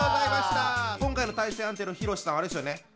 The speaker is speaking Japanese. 今回の対戦相手のヒロシさんはあれですよね